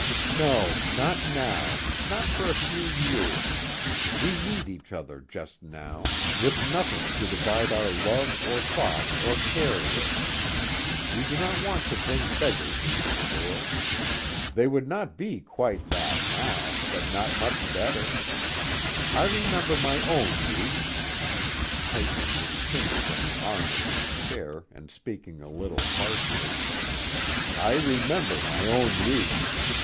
"No, not now; not for a few years. We need each other just now, with nothing to divide our love or thought or care with. We do not want to bring beggars into the world. They would not be quite that, now, but not much better. I remember my own youth," tightening his fingers on the arm of his chair and speaking a little harshly, "I remember my own youth.